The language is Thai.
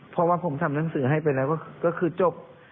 เพราะว่าผมทำหนังสือให้ไปแล้วก็คือจบ